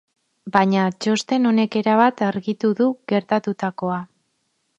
Baina txosten honek erabat argitu du gertatutakoa.